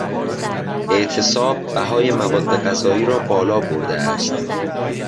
اعتصاب بهای مواد غذایی را بالا برده است.